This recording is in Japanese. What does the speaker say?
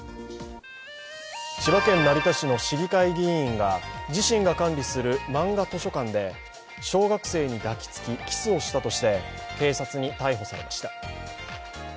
千葉県成田市の市議会議員が自身が管理するまんが図書館で小学生に抱きつきキスをしたとして警察に逮捕されました。